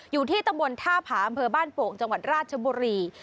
อยู่ที่ตะบนท่าผาบ้านโป่งจังหวัดราชบุรี